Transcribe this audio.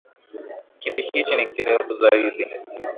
Kiti hichi ni kerufu zaidi